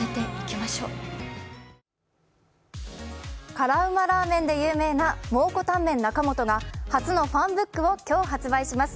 辛うまラーメンで有名な蒙古タンメン中本が初のファンブックを今日発売します。